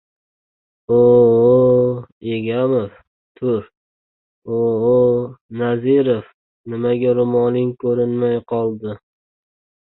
— U-o‘, Egamov, tur! U-o‘, Nazirova, nimaga ro‘moling ko‘rinmay qoldi?!